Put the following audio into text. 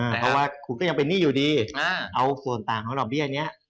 เพราะว่าคุณก็ยังเป็นหนี้อยู่ดีเอาส่วนต่างของดอกเบี้ยนี้